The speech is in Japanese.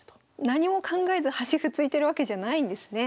何も考えず端歩突いてるわけじゃないんですね。